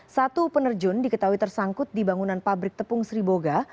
satu penerjun diketahui tersangkut di bangunan pabrik tepung sriboga